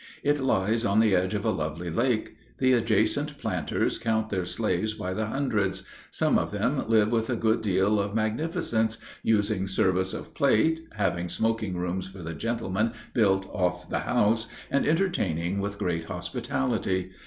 It lies on the edge of a lovely lake. The adjacent planters count their slaves by the hundreds. Some of them live with a good deal of magnificence, using service of plate, having smoking rooms for the gentlemen built off the house, and entertaining with great hospitality.